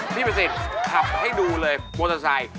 พี่ประสิทธิ์ขับให้ดูเลยมอเตอร์ไซค์